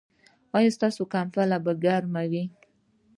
ایا ستاسو کمپله به ګرمه وي؟